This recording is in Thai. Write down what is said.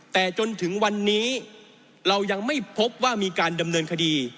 แต่จนถึงวันนี้เรายังไม่พบว่ามีการดำเนินคดี